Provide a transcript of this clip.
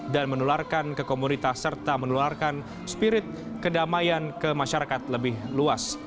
dan menularkan kekomunitas serta menularkan spirit kedamaian ke masyarakat lebih luas